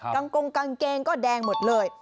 งกงกางเกงก็แดงหมดเลย